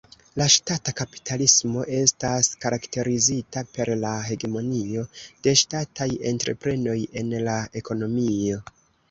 La Ŝtata kapitalismo estas karakterizita per la hegemonio de ŝtataj entreprenoj en la ekonomio.